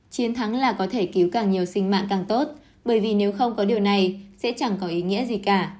chiến thắng là có thể cứu càng nhiều sinh mạng càng tốt bởi vì nếu không có điều này sẽ chẳng có ý nghĩa gì cả